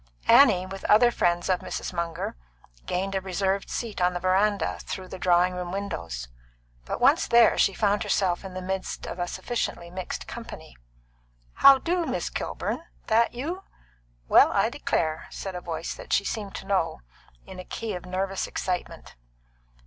Annie, with other friends of Mrs. Munger, gained a reserved seat on the veranda through the drawing room windows; but once there, she found herself in the midst of a sufficiently mixed company. "How do, Miss Kilburn? That you? Well, I declare!" said a voice that she seemed to know, in a key of nervous excitement.